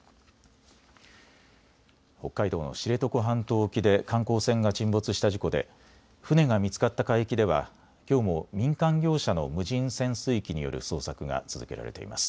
北海道の知床半島沖で観光船が沈没した事故で船が見つかった海域ではきょうも民間業者の無人潜水機による捜索が続けられています。